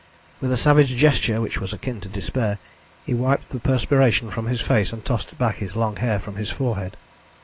With a savage gesture, which was akin to despair, he wiped the perspiration from his face, and tossed back his long hair from his forehead.